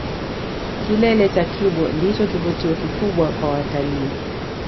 Kilele cha kibo ndicho kivutio kikubwa kwa watalii